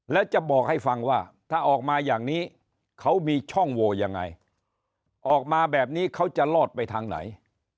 แล้วจะบอกให้ฟังว่าถ้าออกมาอย่างนี้เขามีช่องโวยังไงออกมาแบบนี้เขาจะรอดไปทางไหน